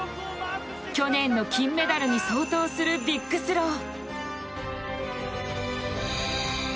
去年の金メダルに相当するビッグスロー。